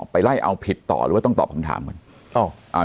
ไปไล่เอาผิดต่อหรือว่าต้องตอบคำถามก่อน